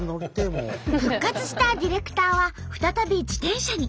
復活したディレクターは再び自転車に。